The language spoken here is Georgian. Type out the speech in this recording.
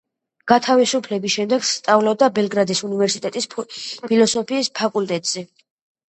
გათავისუფლების შემდეგ, სწავლობდა ბელგრადის უნივერსიტეტის ფილოსოფიის ფაკულტეტზე.